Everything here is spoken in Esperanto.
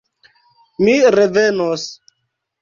Mi revenos.